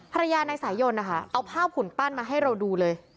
ภรรยาในสายยนต์เอาภาพหุ่นปั้นมาให้เราดูเลย